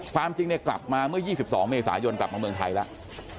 ความจริงเนี่ยกลับมาเมื่อ๒๒เมษายนกลับมาเมืองไทยแล้ว